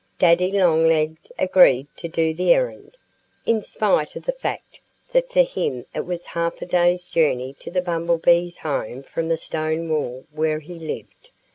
Daddy Longlegs agreed to do the errand, in spite of the fact that for him it was half a day's journey to the Bumblebee's home from the stone wall where he lived.